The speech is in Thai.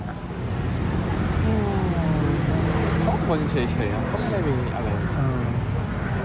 เพราะคนเฉยเขาไม่มีอะไร